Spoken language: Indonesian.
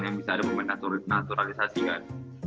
yang bisa ada naturalisasi kan